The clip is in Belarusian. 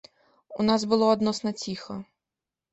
У нас было адносна ціха.